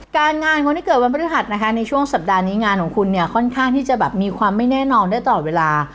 การงานคนที่เกิดวันพฤหัสนะคะในช่วงสัปดาห์นี้งานของคุณเนี่ยค่อนข้างที่จะแบบมีความไม่แน่นอนได้ตลอดเวลา